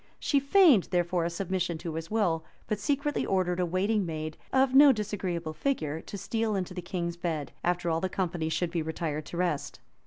She feigned therefore a submission to his will; but secretly ordered a waiting maid, of no disagreeable figure, to steal into the king's bed, after all the company should be retired to rest.